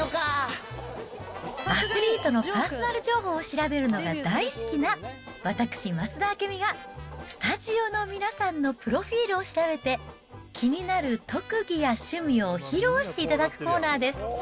アスリートのパーソナル情報を調べるのが大好きな私、増田明美が、スタジオの皆さんのプロフィールを調べて、気になる特技や趣味を披露していただくコーナーです。